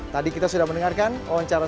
tadi kita sudah mendengarkan wawancara